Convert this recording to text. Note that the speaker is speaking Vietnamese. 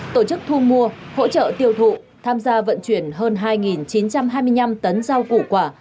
tổ chức thu mua hỗ trợ tiêu thụ tham gia vận chuyển hơn hai chín trăm hai mươi năm tấn rau củ quả